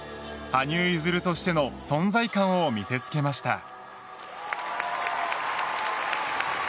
羽生結弦としての存在感を見せつけました。